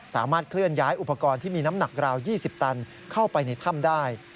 สามารถเคลื่อนย้ายอุปกรณ์ที่มีน้ำหนักราว๒๐ตันเข้าไปในถ้ำได้